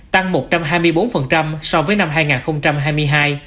tăng một trăm hai mươi bốn so với năm hai nghìn hai mươi hai